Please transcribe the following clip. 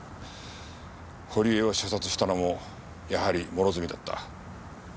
堀江を射殺したのもやはり諸角だった。